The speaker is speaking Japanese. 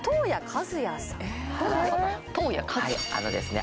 はいあのですね